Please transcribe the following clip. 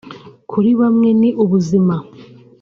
Kuri bamwe ni ubuzima